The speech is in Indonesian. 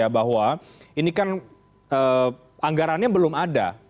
bahwa ini kan anggaran belum ada kan